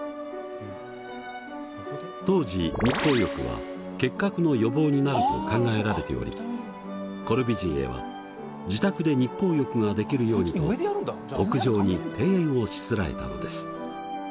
当時日光浴は結核の予防になると考えられておりコルビュジエは自宅で日光浴ができるようにと屋上に庭園をしつらえたのです。